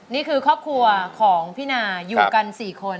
นี่คือครอบครัวของพี่นาอยู่กัน๔คน